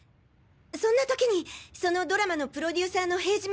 そんな時にそのドラマのプロデューサーの塀島